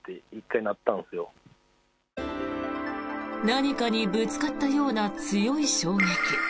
何かにぶつかったような強い衝撃。